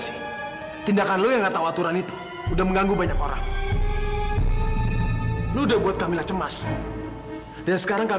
sama alena juga gak bisa